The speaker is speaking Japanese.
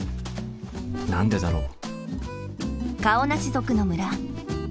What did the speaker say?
何でだろう？